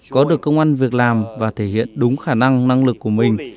có được công an việc làm và thể hiện đúng khả năng năng lực của mình